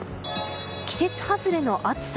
季節外れの暑さ。